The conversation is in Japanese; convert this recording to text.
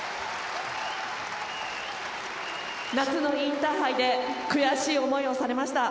夏のインターハイで悔しい思いをされました。